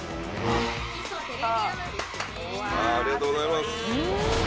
・来たありがとうございます。